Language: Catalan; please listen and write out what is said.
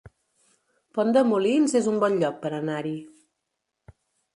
Pont de Molins es un bon lloc per anar-hi